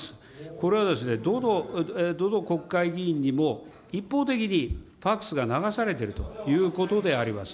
これはどの国会議員にも、一方的にファックスが流されているということであります。